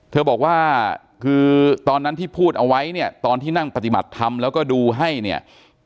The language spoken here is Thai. เธอบอกว่าคือตอนนั้นที่พูดเอาไว้เนี่ยตอนที่นั่งปฏิบัติธรรมแล้วก็ดูให้เนี่ย